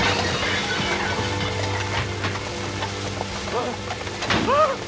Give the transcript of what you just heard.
あっああっ！